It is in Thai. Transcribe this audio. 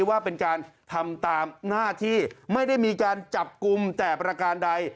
ว่าเป็นการทำตามหน้าที่ไม่ได้มีการจับกลุ่มแต่ประการใด